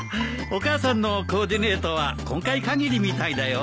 お母さんのコーディネートは今回限りみたいだよ。